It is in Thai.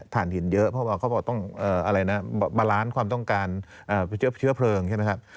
ถ่านหินเยอะเพราะว่าเขาบอกต้องบารานซ์ความต้องการเชื่อเพลิงใช่ไหม